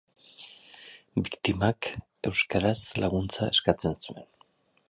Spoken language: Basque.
Biktimak euskaraz laguntza eskatzen zuen.